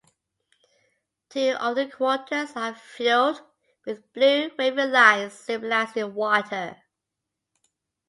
Two of the quarters are filled with blue wavy lines symbolizing water.